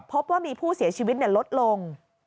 พบว่ามีผู้เสียชีวิตลดลง